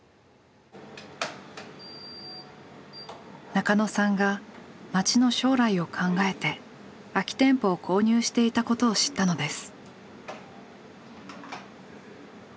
中野さんが街の将来を考えて空き店舗を購入していたことを知ったのです。